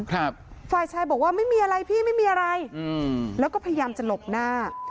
ฝ่ายชายบอกว่าไม่มีอะไรพี่ไม่มีอะไรอืมแล้วก็พยายามจะหลบหน้า